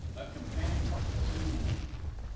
A COMPANION (soothingly).